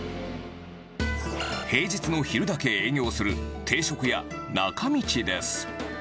平日の昼だけ営業する定食屋なかみちです。